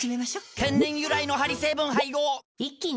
天然由来のハリ成分配合一気に！